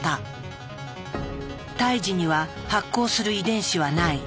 胎児には発光する遺伝子はない。